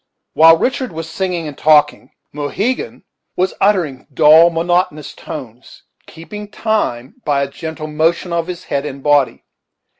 While Richard was singing and talking, Mohegan was uttering dull, monotonous tones, keeping time by a gentle motion of his head and body.